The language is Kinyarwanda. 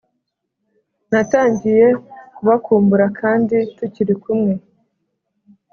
Natangiye kubakumbura kandi tukiri kumwe!